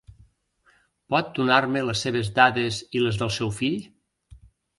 Pot donar-me les seves dades i les del seu fill?